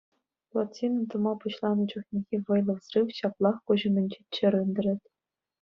Плотина тума пуҫланӑ чухнехи вӑйлӑ взрыв ҫаплах куҫ умӗнче чӗррӗн тӑрать.